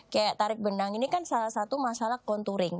kayak tarik benang ini kan salah satu masalah conturing